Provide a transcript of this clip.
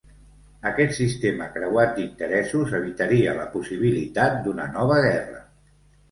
Aquest sistema creuat d'interessos evitaria la possibilitat d'una nova guerra.